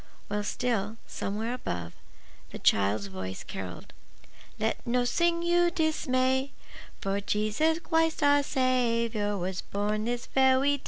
While still, somewhere above, the child's voice carolled, —Let nossing you dismay; For Jesus Christ our Sa wiour Was born this ve wy day.